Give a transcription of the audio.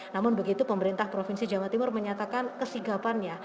namun begitu pemerintah provinsi jawa timur menyatakan kesigapannya